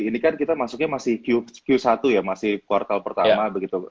ini kan kita masuknya masih q satu ya masih kuartal pertama begitu